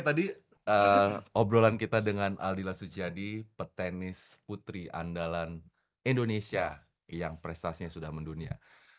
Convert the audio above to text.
oke tadi obrolan kita dengan aldila suciadi petenis putri andalan indonesia yang prestasinya sudah mendunia